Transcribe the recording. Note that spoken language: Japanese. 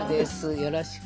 よろしく。